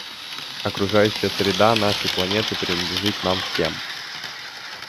Окружающая среда нашей планеты принадлежит нам всем.